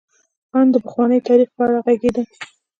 ان د پخواني تاریخ په اړه یې غږېده.